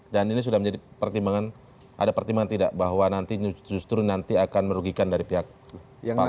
dan ini sudah menjadi pertimbangan ada pertimbangan tidak bahwa nanti justru nanti akan merugikan dari pihak pak lanyala sendiri